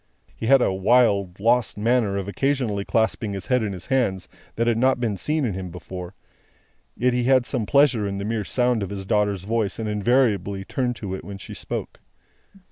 He had a wild, lost manner of occasionally clasping his head in his hands, that had not been seen in him before; yet, he had some pleasure in the mere sound of his daughter's voice, and invariably turned to it when she spoke.